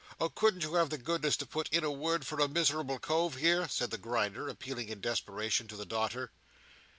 Oh, couldn't you have the goodness to put in a word for a miserable cove, here?" said the Grinder, appealing in desperation to the daughter.